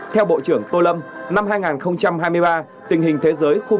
theo bộ trưởng tô lâm năm hai nghìn hai mươi ba tình hình thế giới